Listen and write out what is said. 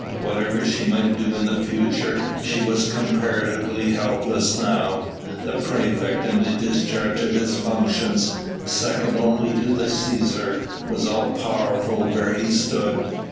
Whatever she might do in the future, she was comparatively helpless now. The praefect in the discharge of his functions second only to the Cæsar was all powerful where he stood.